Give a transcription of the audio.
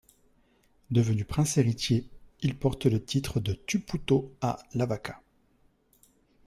Devenu prince héritier, il porte le titre de Tupoutoʻa Lavaka.